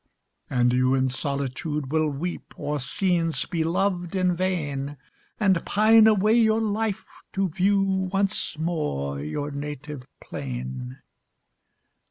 And you in solitude will weep O'er scenes beloved in vain, And pine away your life to view Once more your native plain.